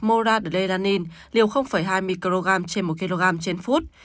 m d liều hai mg trên một kg trên phút